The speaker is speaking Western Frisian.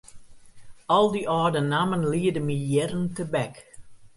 Al dy âlde nammen liede my jierren tebek.